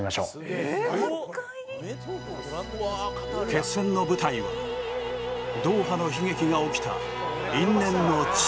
決戦の舞台はドーハの悲劇が起きた因縁の地